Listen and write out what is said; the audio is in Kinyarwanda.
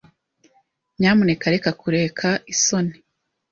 Nyamuneka reka kureka isoni.